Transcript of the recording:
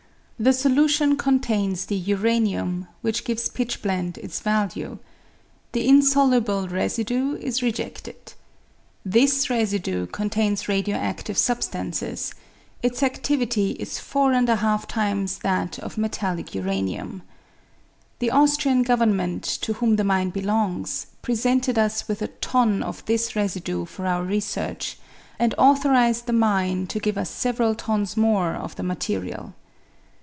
The solution contains the uranium, which gives pitchblende its value. The insoluble residue is rejeded. This residue contains radio adive substances ; its adivity is four and a half times that of metallic uranium. The Austrian Govern ment, to whom the mine belongs, presented us with a ton of this residue for our research, and authorised the mine to give us several tons more of the material.